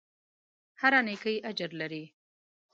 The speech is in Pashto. هره نېکۍ اجر لري.